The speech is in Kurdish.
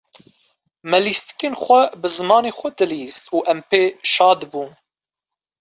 Me lîstîkên xwe bi zimanê xwe dilîst û em pê şa dibûn.